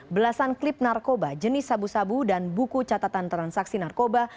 belasan klip narkoba jenis sabu sabu dan buku catatan transaksi narkoba